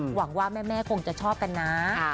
หวังว่าแม่คงจะชอบกันนะ